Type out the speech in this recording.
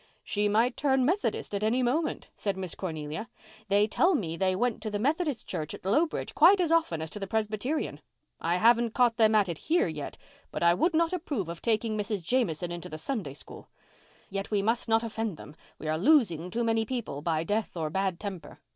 "She might turn Methodist at any moment," said Miss Cornelia. "They tell me they went to the Methodist Church at Lowbridge quite as often as to the Presbyterian. I haven't caught them at it here yet, but I would not approve of taking Mrs. Jamieson into the Sunday School. Yet we must not offend them. We are losing too many people, by death or bad temper.